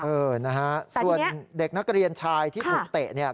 เออนะฮะส่วนเด็กนักเรียนชายที่ถูกเตะเนี่ย